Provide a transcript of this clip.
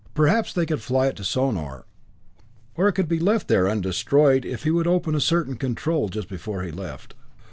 Perhaps they could fly it to Sonor; or it could be left there undestroyed if he would open a certain control just before he left.